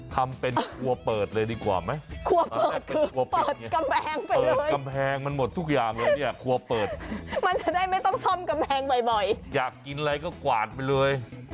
ทำเป็นครัวเปิดเลยดีกว่าไหมครัวเปิดครัวเปิดกำแพงเปิดกำแพงมันหมดทุกอย่างเลยเนี่ยครัวเปิดมันจะได้ไม่ต้องซ่อมกำแพงบ่อยอยากกินอะไรก็กวาดไปเลย